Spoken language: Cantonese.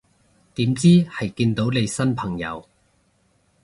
點知係見到你新朋友